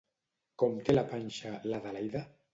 Com té la panxa l'Adelaida?